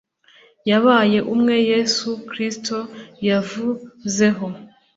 yabaye umwe Yesu Kristo yavuzeho